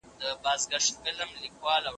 په کورنۍ روزنه کې اخلاق نه خرابېږي.